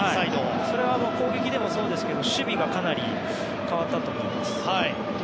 それは攻撃でもそうですけど守備がかなり変わったと思います。